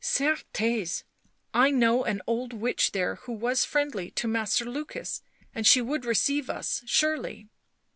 " Certes, I know an old witch there who was friendly to Master Lukas, and she would receive us, surely."